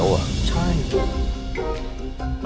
ก็ทรง